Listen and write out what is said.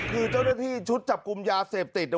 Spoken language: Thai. คือเจ้าหน้าที่ชุดจับกลุ่มยาเสพติด